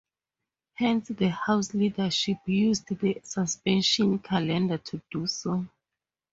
Hence the House Leadership used the suspension calendar to do so.